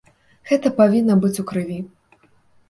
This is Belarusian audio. Гэта павінна быць у крыві.